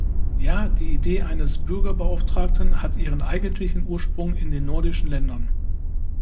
Ja, die Idee eines Bürgerbeauftragten hat ihren eigentlichen Ursprung in den nordischen Ländern.